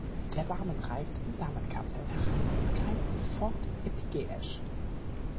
Der Samen reift in Samenkapseln heran und keimt sofortig-epigäisch.